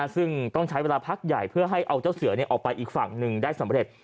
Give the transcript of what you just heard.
ซึ่งต้องใช้เวลาพักใหญ่เพื่อให้เอาเจ้าเสือออกไปอีกฝั่งหนึ่งได้สำเร็จ